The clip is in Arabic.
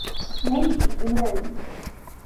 عندي ابنان.